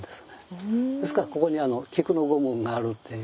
現在ですからここに菊の御紋があるっていう。